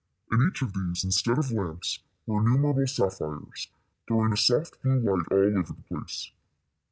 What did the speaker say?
In each of these, instead of lamps, were innumerable sapphires, throwing a soft blue light over all the place.